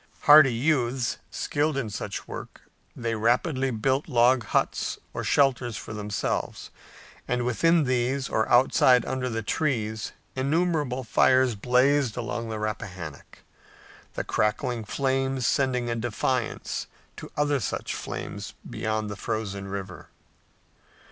Hardy youths, skilled in such work, they rapidly built log huts or shelters for themselves, and within these or outside under the trees innumerable fires blazed along the Rappahannock, the crackling flames sending a defiance to other such flames beyond the frozen river.